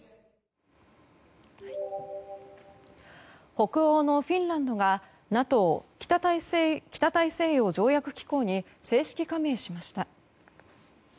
北欧のフィンランドがＮＡＴＯ・北大西洋条約機構に正式加盟しました。